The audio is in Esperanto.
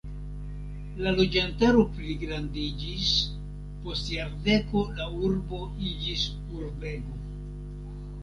La loĝantaro pligrandiĝis, post jardeko la urbo iĝis urbego.